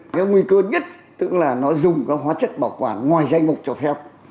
cái nguy cơ nhất tức là nó dùng các hóa chất bảo quản ngoài danh mục cho phép